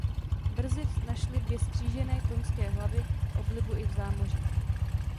Brzy našly dvě zkřížené koňské hlavy oblibu i v zámoří.